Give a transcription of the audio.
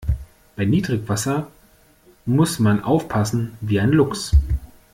Bei Niedrigwasser muss man aufpassen wie ein Luchs.